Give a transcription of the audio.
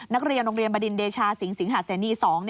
นักเรียนโรงเรียนบดินเดชาสิงสิงหาเสนี๒